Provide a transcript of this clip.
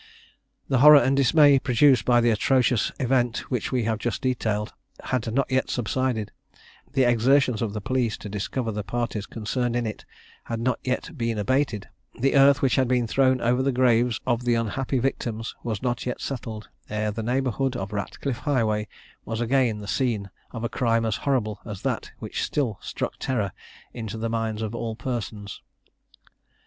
The horror and dismay produced by the atrocious event which we have just detailed had not yet subsided; the exertions of the police to discover the parties concerned in it had not yet been abated; the earth which had been thrown over the graves of the unhappy victims was not yet settled, ere the neighbourhood of Ratcliffe Highway was again the scene of a crime as horrible as that which still struck terror into the minds of all persons.